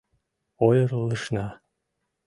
— Ойырлышна...